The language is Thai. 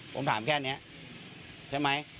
ผมถามแค่นี้ใช่ไหม